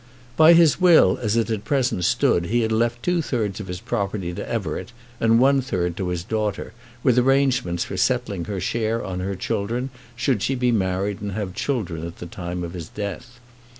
By his will as it at present stood he had left two thirds of his property to Everett, and one third to his daughter, with arrangements for settling her share on her children, should she be married and have children at the time of his death.